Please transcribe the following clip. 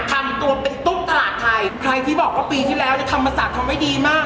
ทำตัวเป็นตุ้มตลาดไทยใครที่บอกว่าปีที่แล้วเนี่ยธรรมศาสตร์ทำไว้ดีมาก